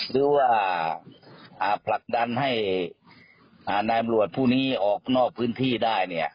หรือว่าผลักดันให้นายอำรวจผู้นี้ออกนอกพื้นที่ได้